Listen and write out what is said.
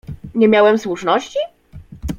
"Nie miałem słuszności?"